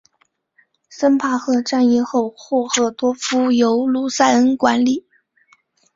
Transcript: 森帕赫战役后霍赫多夫由卢塞恩管辖。